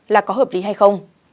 là có hợp lý hay không